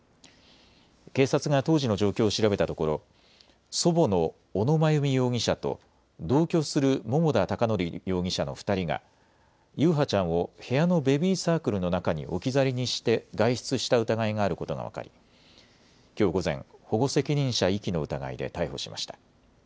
警察が当時の状況を調べたところ祖母の小野真由美容疑者と同居する桃田貴徳容疑者の２人が優陽ちゃんを部屋のベビーサークルの中に置き去りにして外出した疑いがあることが分かり、きょう午前、保護責任者遺棄の疑いで逮捕しました。